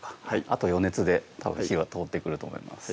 あと余熱でたぶん火は通ってくると思います